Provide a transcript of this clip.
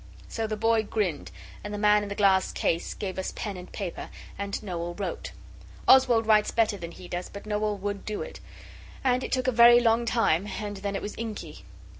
So the boy grinned, and the man in the glass case gave us pen and paper, and Noel wrote. Oswald writes better than he does; but Noel would do it; and it took a very long time, and then it was inky.